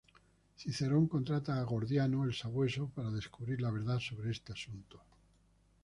Cicerón contrata a Gordiano el Sabueso para descubrir la verdad sobre este asunto.